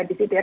di situ ya